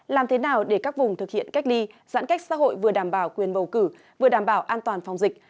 làm thế nào để các vùng thực hiện cách ly giãn cách xã hội vừa đảm bảo quyền bầu cử vừa đảm bảo an toàn phòng dịch